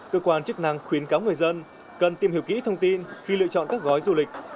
cơ quan chức năng khuyến cáo người dân cần tìm hiểu kỹ thông tin khi lựa chọn các gói du lịch